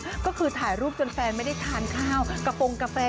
ทำให้ตัวเองก็คือถ่ายรูปจนแฟนไม่ได้ทานข้าวกระโปรงกาแฟ